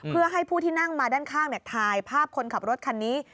เพื่อให้ผู้ที่นั่งมาด้านข้างถ่ายภาพคนขับรถคันนี้